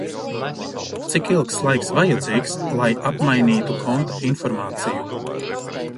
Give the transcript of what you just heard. Cik ilgs laiks vajadzīgs, lai apmainītu konta informāciju?